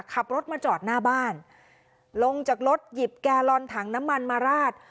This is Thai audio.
ขับรถมาจอดหน้าบ้านลงจากรถหยิบแกลลอนถังน้ำมันมาราด